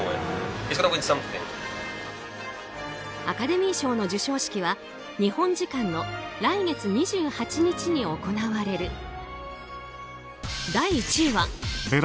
アカデミー賞の授賞式は日本時間の来月２８日に行われる。